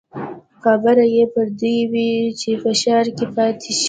خبرې يې پر دې وې چې په ښار کې پاتې شي.